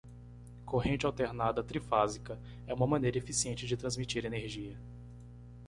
Corrente alternada trifásica é uma maneira eficiente de transmitir energia.